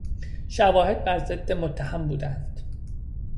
شواهد بر ضد متهم بودند.